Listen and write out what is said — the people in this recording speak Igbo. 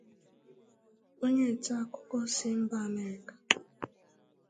onye nta akụkọ si mba Amerịka